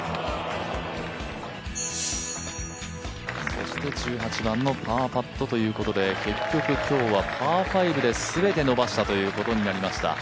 そして１８番のパーパットということで、結局今日はパー５で全て伸ばしたということになりました。